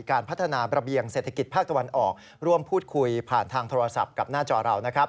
การพัฒนาระเบียงเศรษฐกิจภาคตะวันออกร่วมพูดคุยผ่านทางโทรศัพท์กับหน้าจอเรานะครับ